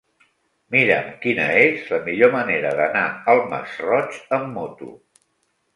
Mira'm quina és la millor manera d'anar al Masroig amb moto.